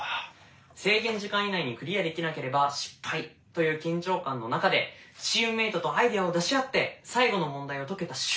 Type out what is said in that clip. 制限時間以内にクリアできなければ失敗という緊張感の中でチームメートとアイデアを出し合って最後の問題を解けた瞬間